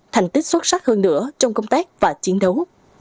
thành tích xuất sắc hơn nữa trong công tác và chiến đấu